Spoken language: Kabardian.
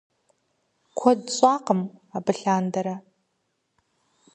Куэд щӀакъым абы лъандэрэ.